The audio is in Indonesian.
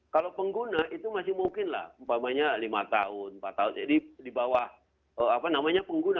kalau pengguna itu masih mungkin lah umpamanya lima tahun empat tahun jadi di bawah apa namanya pengguna